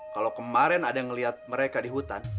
kalau kemarin ada yang melihat mereka di hutan